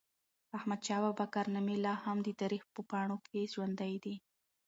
د احمدشاه بابا کارنامي لا هم د تاریخ په پاڼو کي ژوندۍ دي.